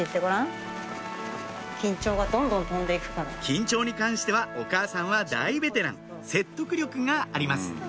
緊張に関してはお母さんは大ベテラン説得力があります